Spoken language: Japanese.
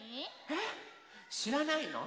えっ？しらないの？